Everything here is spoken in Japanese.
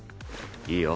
いいよ。